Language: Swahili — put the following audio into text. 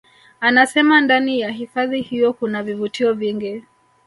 Anasema ndani ya hifadhi hiyo kuna vivutio vingi